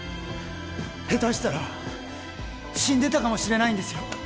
下手したら死んでたかもしれないんですよ